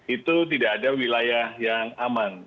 itu tidak ada wilayah yang aman